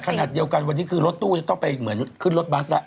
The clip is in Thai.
ขนาดเดียวกันวันนี้คือรถตู้จะต้องไปเหมือนขึ้นรถบัสแล้ว